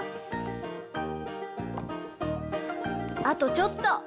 あとちょっと。